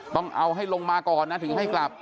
ต้องเอาให้ลงมาก่อนนะถึงให้กลับ